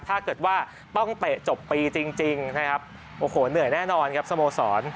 ถ้าเกิดว่าต้องเตะจบปีจริงนะครับโอ้โหเหนื่อยแน่นอนครับสโมสร